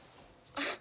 あっ。